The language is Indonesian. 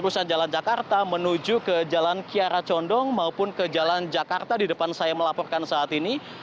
perusahaan jalan jakarta menuju ke jalan kiara condong maupun ke jalan jakarta di depan saya melaporkan saat ini